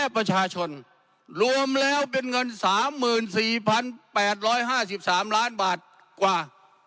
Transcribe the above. ประชาชนรวมแล้วเป็นเงินสามหมื่นสี่พันแปดร้อยห้าสิบสามล้านบาทกว่า